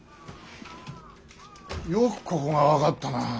よくここが分かったな。